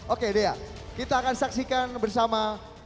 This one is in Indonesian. oke dea kita akan saksikan bersama